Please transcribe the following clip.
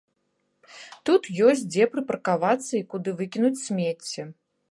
Тут ёсць дзе прыпаркавацца і куды выкінуць смецце.